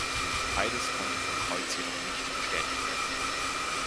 Beides konnte von Kreutz jedoch nicht bestätigt werden.